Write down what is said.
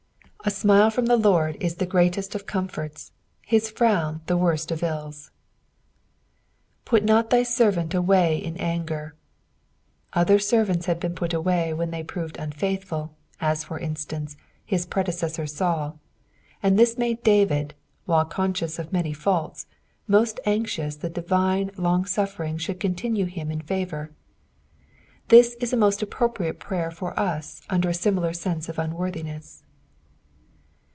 A Emile from the Lord ie the grestMt of comforts, hia frown the worst of ills. "Put not thy tenant aaay in anger. " Other Bcrvants had been put Bway when they proved unfaithfu], as for isetance, his predecessor Haul ; and this made Duvid, while conscious of man; faults, most anxioua that divine loDg BuSering should continue him in favour. T)iis is a most appropriate prayer for us under a similar sense of unworthiness.